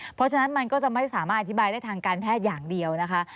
เพราะฉะนั้นมันก็จะไม่สามารถอธิบายได้ทางการแพทย์อย่างเดียวนะคะ